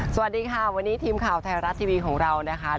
สวัสดีค่ะวันนี้ทีมข่าวไทยรัฐทีวีของเรานะคะ